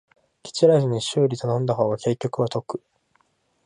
ケチらずに修理頼んだ方が結局は得